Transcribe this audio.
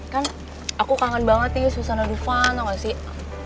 kan aku kangen banget nih susana dufan tau gak sih